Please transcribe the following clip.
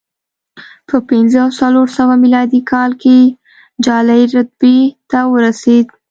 په پنځه او څلور سوه میلادي کال کې جالۍ رتبې ته ورسېد